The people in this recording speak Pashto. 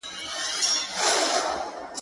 هغه ولس چي د ,